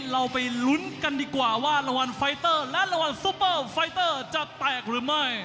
เราไปลุ้นกันดีกว่าว่ารางวัลไฟเตอร์และรางวัลซูเปอร์ไฟเตอร์จะแตกหรือไม่